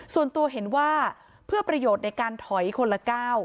ส่วนตัวเห็นว่าเพื่อประโยชน์ในการถอยคนละก้าว